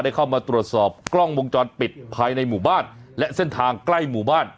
เข้ามาตรวจสอบกล้องวงจรปิดภายในหมู่บ้านและเส้นทางใกล้หมู่บ้าน